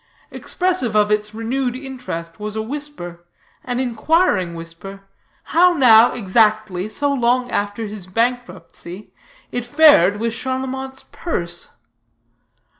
Expressive of its renewed interest was a whisper, an inquiring whisper, how now, exactly, so long after his bankruptcy, it fared with Charlemont's purse.